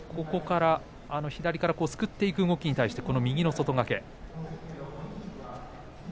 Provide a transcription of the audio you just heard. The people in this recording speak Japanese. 左からすくっていく動きに対して、右の外掛け。